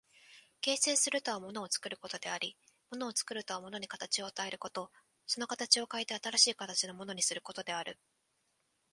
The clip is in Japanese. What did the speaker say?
形成するとは物を作ることであり、物を作るとは物に形を与えること、その形を変えて新しい形のものにすることである。